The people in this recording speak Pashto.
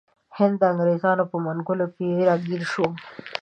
هند د انګریزانو په منګولو کې راګیر شو.